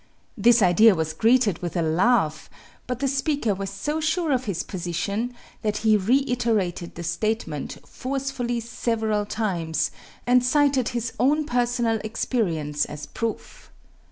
This idea was greeted with a laugh, but the speaker was so sure of his position that he reiterated the statement forcefully several times and cited his own personal experience as proof.